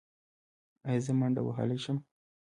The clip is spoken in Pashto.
ایا زه منډه وهلی شم؟